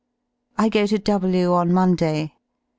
I go to W on Monday.